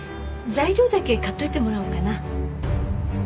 材料だけ買っといてもらおうかな。